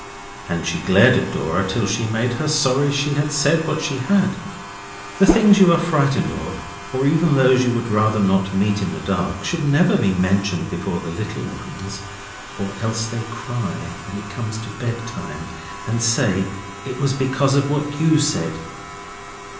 And she glared at Dora till she made her sorry she had said what she had. The things you are frightened of, or even those you would rather not meet in the dark, should never be mentioned before the little ones, or else they cry when it comes to bed time, and say it was because of what you said.